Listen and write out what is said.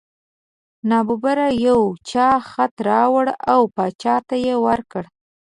نا ببره یو چا خط راوړ او باچا ته یې ورکړ.